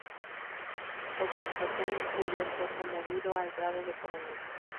Por su actuación en julio fue promovido al grado de coronel.